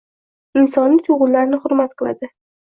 Insoniy tuygʻularni hurmat qiladi.